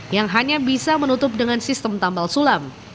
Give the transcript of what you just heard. yang hanya bisa menutup dengan sistem tambal sulam